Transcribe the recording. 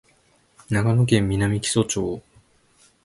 長野県南木曽町